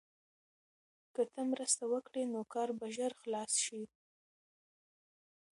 که ته مرسته وکړې نو کار به ژر خلاص شي.